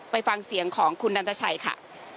ไปฟังเสียงของคุณนันตชัยค่ะ